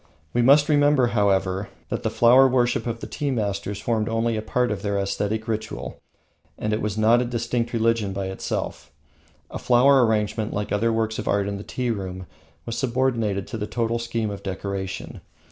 We must remember, however, that the flower worship of the tea masters formed only a part of their aesthetic ritual, and was not a distinct religion by itself. A flower arrangement, like the other works of art in the tea room, was subordinated to the total scheme of decoration.